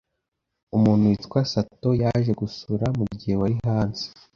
Umuntu witwa Sato yaje gusura mugihe wari hanze.